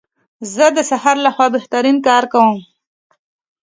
زه د سهار لخوا بهترین کار کوم.